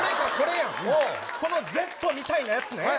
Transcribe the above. このＺみたいなやつね。